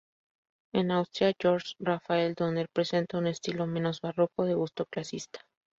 En Austria Georg Raphael Donner presenta un estilo menos barroco de gusto clasicista.